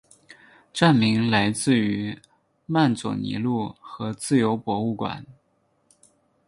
站名来自于曼佐尼路和自由博物馆。